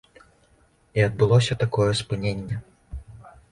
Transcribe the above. І адбылося такое спыненне.